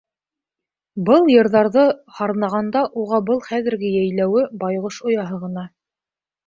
Был йырҙарҙы һарнағанда уға был хәҙерге йәйләүе байғош ояһы ғына.